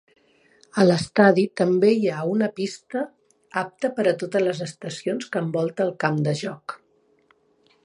A l'estadi també hi ha una pista apta per a totes les estacions que envolta el camp de joc.